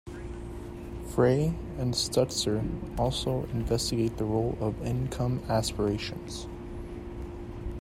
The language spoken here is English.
Frey and Stutzer also investigate the role of income aspirations.